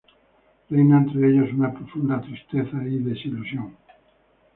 Reina entre ellos una profunda tristeza y desilusión.